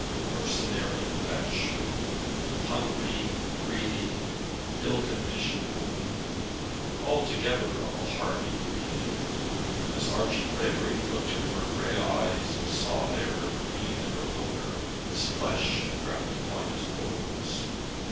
Mercenary wretch; hungry, greedy, ill conditioned woman, altogether of the harpy breed! As Archie Clavering looked into her grey eyes, and saw there her greed and her hunger, his flesh crept upon his bones.